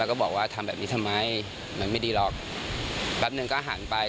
แล้วก็บอกว่าทำแบบนี้ทำไมมันไม่ดีหรอกแป๊บหนึ่งก็หันไป